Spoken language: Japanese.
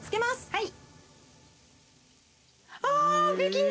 はい。